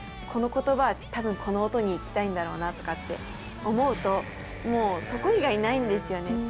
このことばはたぶん、この音にいきたいんだろうなって思うと、もうそこ以外にないんですよね。